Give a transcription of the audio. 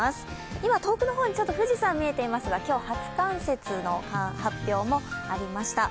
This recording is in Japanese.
今、遠くの方に富士山見ていますが今日、初冠雪の発表もありました。